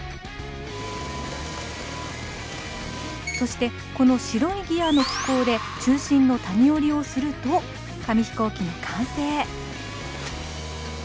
そしてこの白いギアの機構で中心の谷折りをすると紙ヒコーキの完成。